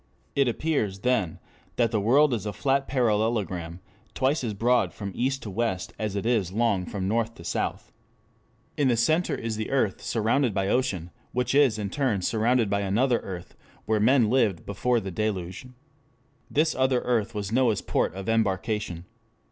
It appears, then, that the world is a flat parallelogram, twice as broad from east to west as it is long from north to south., In the center is the earth surrounded by ocean, which is in turn surrounded by another earth, where men lived before the deluge. This other earth was Noah's port of embarkation.